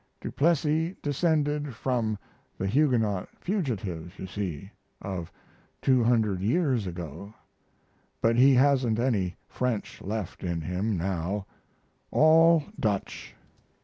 Du Plessis descended from the Huguenot fugitives, you see, of 200 years ago but he hasn't any French left in him now all Dutch.